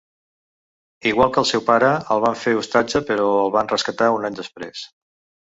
Igual que el seu pare, el van fer ostatge, però el van rescatar un any després.